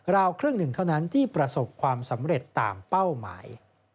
ครึ่งหนึ่งเท่านั้นที่ประสบความสำเร็จตามเป้าหมาย